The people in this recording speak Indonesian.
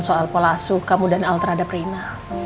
soal pola asuh kamu dan al terhadap rina